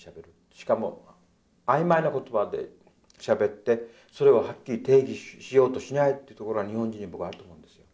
しかもあいまいな言葉でしゃべってそれをはっきり定義しようとしないってところは日本人僕あると思うんです。